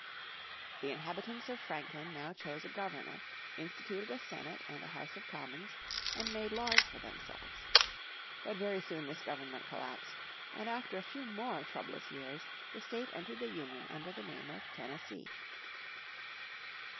The inhabitants of Franklin now chose a Governor, instituted a Senate and a House of Commons, and made laws for themselves. But very soon this government collapsed, and after a few more troublous years the state entered the Union under the name of Tennessee.